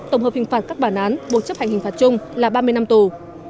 tổng hợp hình phạt các bản án buộc chấp hành hình phạt chung là ba mươi năm tù